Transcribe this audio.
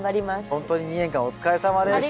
ほんとに２年間お疲れさまでした。